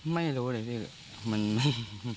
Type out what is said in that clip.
ไม่รู้เลยสิ